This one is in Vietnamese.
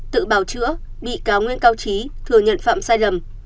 tự bào chữa bị cáo nguyễn cao trí thừa nhận phạm sai lầm